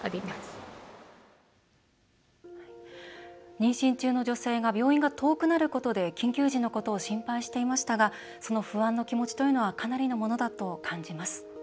妊娠中の女性が病院が遠くなることで緊急時のことを心配していましたがその不安の気持ちというのはかなりのものだと感じます。